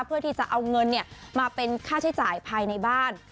เพื่อที่จะเอาเงินมาเป็นค่าใช้จ่ายภายในบ้าน